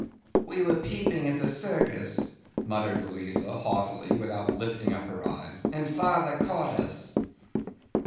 'We were peeping at the circus,' muttered Louisa, haughtily, without lifting up her eyes, 'and father caught us.